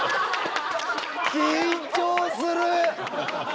緊張する！